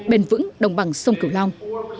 bền vững đồng bằng sông cửu long